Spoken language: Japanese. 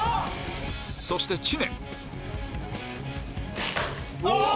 そして知念